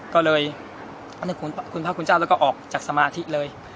ก็เลยคุณพระคุณเจ้าแล้วก็ออกจากสมาธิเลย